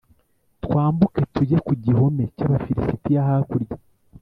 twambuke tujye ku gihome cy Abafilisitiya hakurya